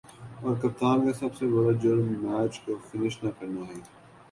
اور کپتان کا سب سے برا جرم" میچ کو فنش نہ کرنا ہے